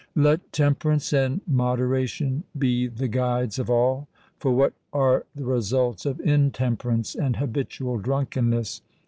Let Temperance and Moderation be the guides of all:—for what are the results of Intemperance and habitual Drunkenness?